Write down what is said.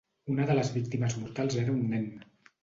Una de les víctimes mortals era un nen.